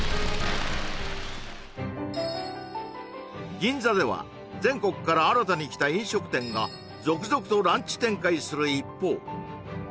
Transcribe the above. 銀座では全国から新たにきた飲食店が続々とランチ展開する一方